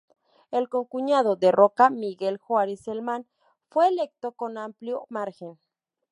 El concuñado de Roca, Miguel Juárez Celman fue electo con amplio margen.